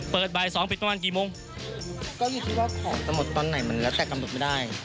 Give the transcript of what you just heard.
บ่ายสองปิดประมาณกี่โมงก็คิดว่าของจะหมดตอนไหนมันแล้วแต่กำหนดไม่ได้